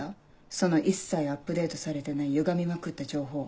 その一切アップデートされてないゆがみまくった情報。